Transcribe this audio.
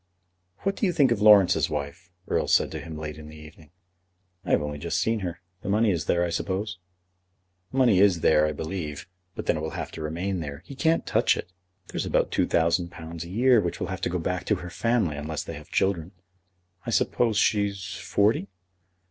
"What do you think of Laurence's wife?" Erle said to him late in the evening. "I have only just seen her. The money is there, I suppose." "The money is there, I believe; but then it will have to remain there. He can't touch it. There's about £2,000 a year, which will have to go back to her family unless they have children." "I suppose she's forty?"